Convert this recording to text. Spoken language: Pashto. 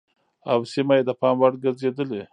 او سيمه يې د پام وړ ګرځېدلې